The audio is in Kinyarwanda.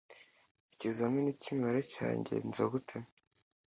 ikizamini cy'imibare cyagenze gute